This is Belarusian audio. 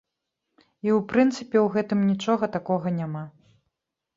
І ў прынцыпе ў гэтым нічога такога няма.